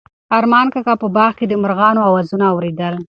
ارمان کاکا په باغ کې د مرغانو اوازونه اورېدل.